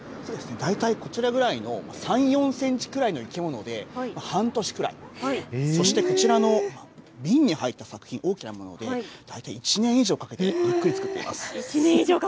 大体こちらぐらいの３、４センチくらいの生き物で半年くらい、そしてこちらの瓶に入った作品、大きなもので大体１年以上かけてゆっくり作っています。